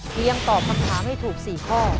เรียงตอบคำถามให้ถูก๔ข้อ